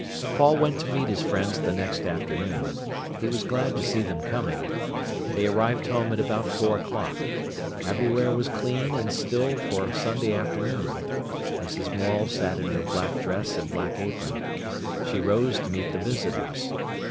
Paul went to meet his friends the next afternoon. He was glad to see them coming. They arrived home at about four o'clock. Everywhere was clean and still for Sunday afternoon. Mrs. Morel sat in her black dress and black apron. She rose to meet the visitors.